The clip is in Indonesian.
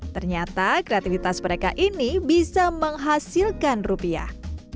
ternyata kreativitas mereka ini bisa menghasilkan rupiah